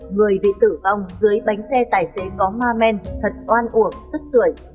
người bị tử vong dưới bánh xe tài xế có ma men thật oan uổng tức tuổi